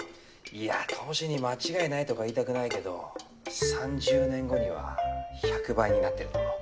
いや投資に間違いないとか言いたくないけど３０年後には１００倍になってると思う。